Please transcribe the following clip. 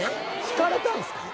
ひかれたんですか？